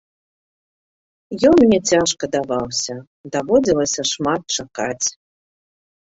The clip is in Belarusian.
Ён мне цяжка даваўся, даводзілася шмат чакаць.